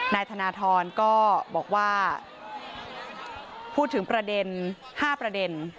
นายธนทรก็บอกว่าพูดถึงประเด็น๕ประเด็น